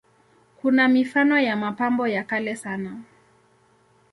Kuna mifano ya mapambo ya kale sana.